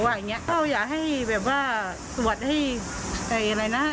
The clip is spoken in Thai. เพราะว่าอยากให้ไอ่ว่าตรวจให้เอ่ออะไรนะ